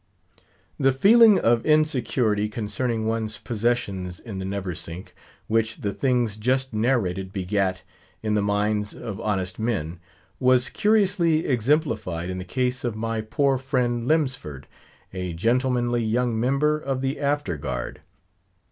The feeling of insecurity concerning one's possessions in the Neversink, which the things just narrated begat in the minds of honest men, was curiously exemplified in the case of my poor friend Lemsford, a gentlemanly young member of the After Guard.